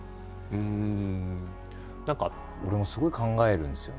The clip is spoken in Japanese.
俺もすごい考えるんですよね。